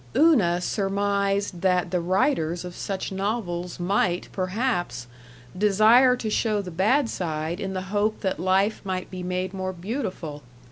Una surmised that the writers of such novels might, perhaps, desire to show the bad side in the hope that life might be made more beautiful.